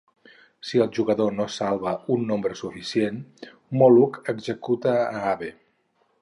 Si el jugador no salva un nombre suficient, Molluck executa a Abe.